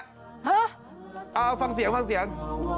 ฮะเอาฟังเสียงฟังเสียง